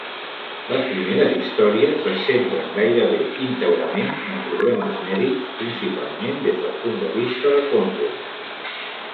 Les primeres històries es centren gairebé íntegrament en problemes mèdics, principalment des del punt de vista de Conway.